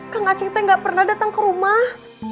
kang aceh kita gak pernah datang ke rumah